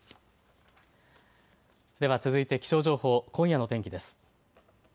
では続いて気象情報、今夜の天気です。